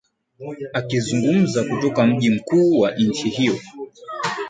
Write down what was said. akizungumza kutoka mji mkuu wa nchi hiyo